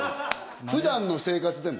普段の生活でも。